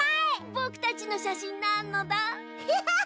ぼくたちのしゃしんなのだ。